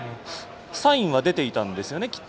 サインは出ていたんですよねきっと。